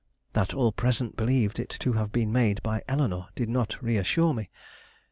That all present believed it to have been made by Eleanore, did not reassure me.